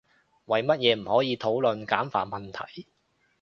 為乜嘢唔可以討論簡繁問題？